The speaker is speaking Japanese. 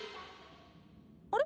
あれ？